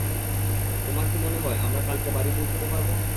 তোমার কি মনে হয়, আমরা কালকে বাড়ি পৌঁছাতে পারব?